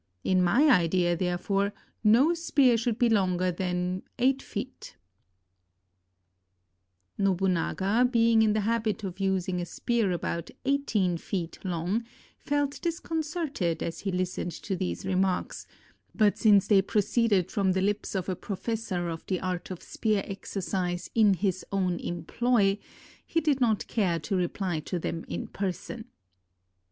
In my idea, therefore, no spear should be longer than eight feet." 332 LONG SPEARS OR SHORT SPEARS Nobunaga, being in the habit of using a spear about eighteen feet long, felt disconcerted as he listened to these remarks; but since they proceeded from the lips of a professor of the art of spear exercise in his own em ploy, he did not care to reply to them in person.